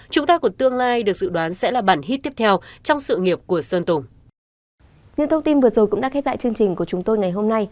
chúng ta của tương lai được dự đoán sẽ là bản hít tiếp theo trong sự nghiệp của sơn tùng